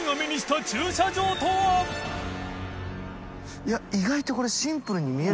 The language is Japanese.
いや意外とこれ磽何